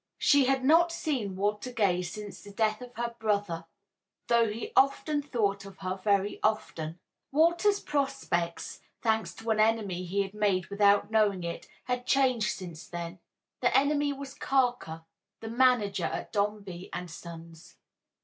She had not seen Walter Gay since the death of her brother, though he himself thought of her very often. Walter's prospects, thanks to an enemy he had made without knowing it, had changed since then. This enemy was Carker, the manager at Dombey and Son's.